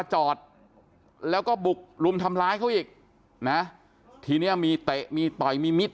ใช่